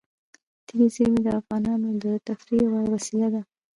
طبیعي زیرمې د افغانانو د تفریح یوه وسیله ده.